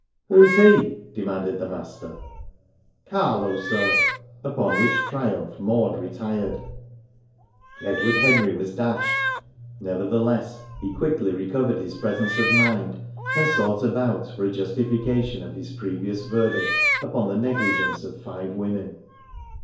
"Who's 'he'?" demanded the master. "Carlo, sir." Upon which triumph Maud retired. Edward Henry was dashed. Nevertheless, he quickly recovered his presence of mind, and sought about for a justification of his previous verdict upon the negligence of five women.